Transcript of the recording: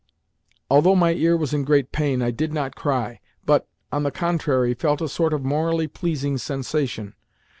Although my ear was in great pain, I did not cry, but, on the contrary, felt a sort of morally pleasing sensation.